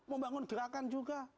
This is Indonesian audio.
membangun gerakan juga